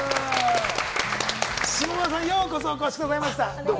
下村さん、ようこそお越しくださいました。